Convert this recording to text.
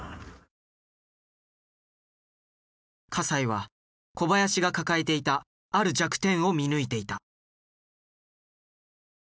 西は小林が抱えていたある弱点を見抜いていた。